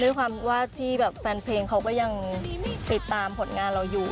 ด้วยความว่าที่แบบแฟนเพลงเขาก็ยังติดตามผลงานเราอยู่